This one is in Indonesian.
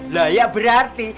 lah ya berarti